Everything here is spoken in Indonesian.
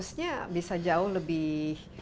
harusnya bisa jauh lebih